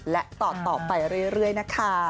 และต่อไปเรื่อยนะคะ